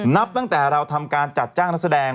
นับตั้งแต่เราทำการจัดจ้างนักแสดง